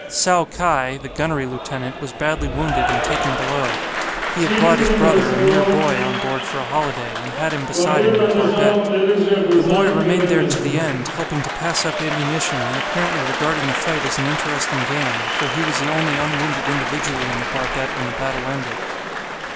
Tsao kai, the gunnery lieutenant, was badly wounded and taken below. He had brought his brother, a mere boy, on board for a holiday, and had him beside him in the barbette. The boy remained there to the end, helping to pass up ammunition, and apparently regarding the fight as an interesting game, though he was the only unwounded individual in the barbette when the battle ended.